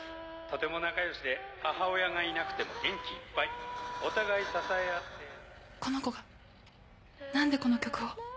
とても仲良しで母親がいなくても元気いっお互い支え合ってこの子が何でこの曲を？